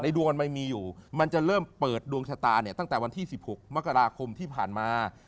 ดวงมันมีอยู่มันจะเริ่มเปิดดวงชะตาเนี่ยตั้งแต่วันที่๑๖มกราคมที่ผ่านมา